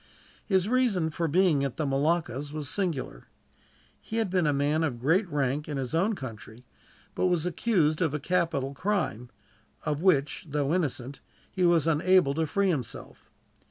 His reason for being at the Moluccas was singular. He had been a man of great rank in his own country, but was accused of a capital crime; of which, though innocent, he was unable to free himself.